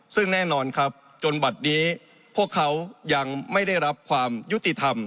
ซึ่งแน่นอนครับจนบัตรนี้พวกเขายังไม่ได้รับความยุติธรรม